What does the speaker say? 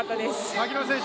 牧野選手